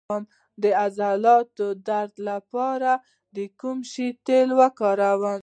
د عضلاتو درد لپاره د کوم شي تېل وکاروم؟